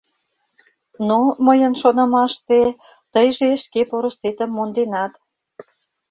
Но, мыйын шонымаште, тыйже шке порысетым монденат.